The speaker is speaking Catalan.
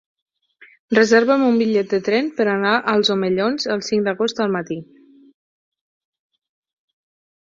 Reserva'm un bitllet de tren per anar als Omellons el cinc d'agost al matí.